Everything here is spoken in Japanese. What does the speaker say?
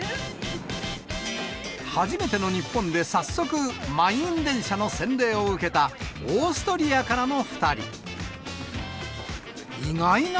初めての日本で早速、満員電車の洗礼を受けた、オーストリアからの２人。